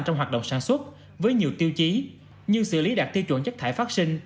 trong hoạt động sản xuất với nhiều tiêu chí như xử lý đạt tiêu chuẩn chất thải phát sinh